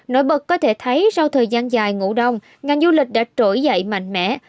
nổi bật có thể thấy sau thời gian dài ngủ đông ngành du lịch đã trỗi dậy mạnh mẽ